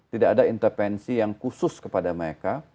tidak ada intervensi yang khusus kepada mereka